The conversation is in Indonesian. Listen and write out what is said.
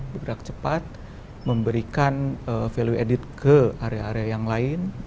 bergerak cepat memberikan value added ke area area yang lain